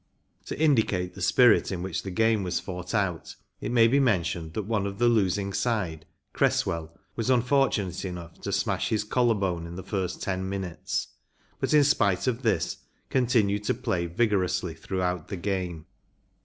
To indicate the spirit in which the game was fought out it may be mentioned that one of the losing side, Cresswell, was unfortunate enough to smash his collar bone in the first ten minutes, but in spite of this continued to play vigorously throughout the game.